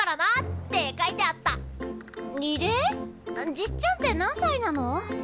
じっちゃんって何さいなの？